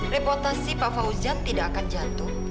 reportasi pak fauzan tidak akan jatuh